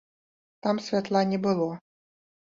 Там святла не было.